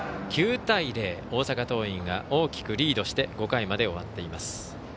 ９対０、大阪桐蔭が大きくリードして５回まで終わっています。